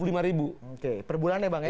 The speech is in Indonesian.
oke per bulan ya bang ya